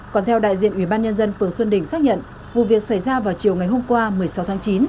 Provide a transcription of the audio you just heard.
còn theo đại diện ủy ban nhân dân phường xuân đình xác nhận vụ việc xảy ra vào chiều ngày hôm qua một mươi sáu tháng chín